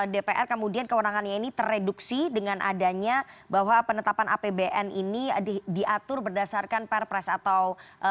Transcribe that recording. dpr kemudian kewenangannya ini tereduksi dengan adanya bahwa penetapan apbn ini diatur berdasarkan perpres atau